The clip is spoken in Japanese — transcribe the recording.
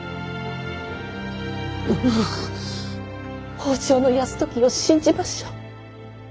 北条泰時を信じましょう。